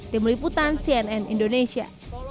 tim liputan cnn indonesia